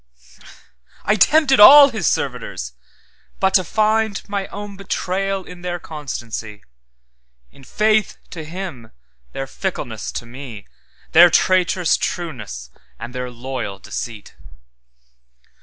I tempted all His servitors, but to findMy own betrayal in their constancy, In faith to Him their fickleness to me, Their traitorous trueness, and their loyal deceit.